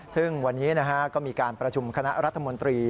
ซึ่งวันนี้ก็มีการประชุมคณะรัฐมนตรี